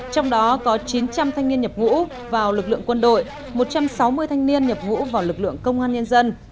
trong đó có chín trăm linh thanh niên nhập ngũ vào lực lượng quân đội một trăm sáu mươi thanh niên nhập ngũ vào lực lượng công an nhân dân